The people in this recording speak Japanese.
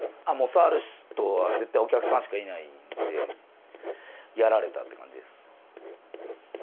触る人は絶対、お客さんしかいないんで、やられたって感じです。